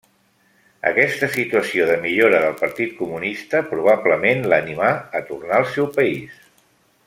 Aquesta situació de millora del partit comunista probablement l'animà a tornar al seu país.